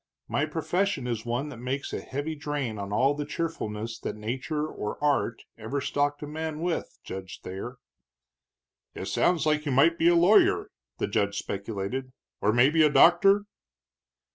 My profession is one that makes a heavy drain on all the cheerfulness that nature or art ever stocked a man with, Judge Thayer." "It sounds like you might be a lawyer," the judge speculated, "or maybe a doctor?"